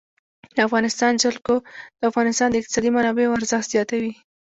د افغانستان جلکو د افغانستان د اقتصادي منابعو ارزښت زیاتوي.